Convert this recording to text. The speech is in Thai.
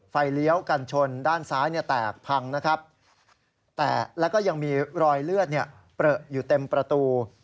เลี้ยวกันชนด้านซ้ายเนี่ยแตกพังนะครับแตกแล้วก็ยังมีรอยเลือดเปลืออยู่เต็มประตู